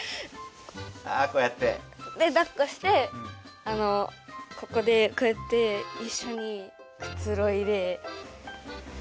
あこうやって。でだっこしてここでこうやっていっしょにくつろいで。